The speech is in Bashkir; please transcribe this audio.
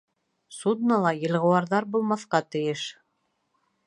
— Суднола елғыуарҙар булмаҫҡа тейеш!